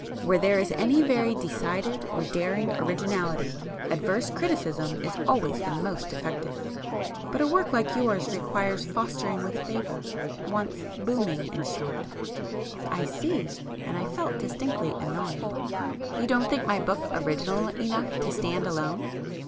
Where there is any very decided or daring originality, adverse criticism is always the most effective. But a work like yours requires fostering with favour,—wants 'booming' in short——" "I see!" and I felt distinctly annoyed—"You don't think my book original enough to stand alone?"